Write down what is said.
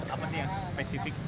apa sih yang spesifik